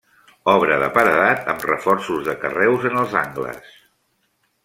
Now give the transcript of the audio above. Obra de paredat amb reforços de carreus en els angles.